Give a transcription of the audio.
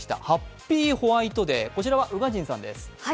ハッピーホワイトデー、こちらは宇賀神さんです。